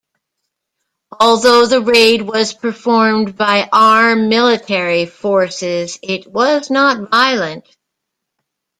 Although the raid was performed by armed military forces it was not violent.